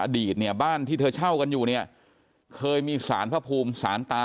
อดีตเนี่ยบ้านที่เธอเช่ากันอยู่เนี่ยเคยมีสารพระภูมิสารตา